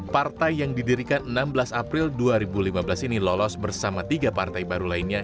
partai yang didirikan enam belas april dua ribu lima belas ini lolos bersama tiga partai baru lainnya